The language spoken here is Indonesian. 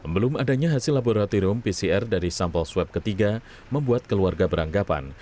belum adanya hasil laboratorium pcr dari sampel swab ketiga membuat keluarga beranggapan